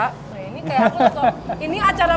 ini kayak aku gitu ini acara